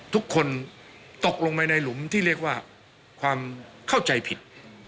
ทุกคนตกลงไปในหลุมที่เรียกว่าความเข้าใจผิด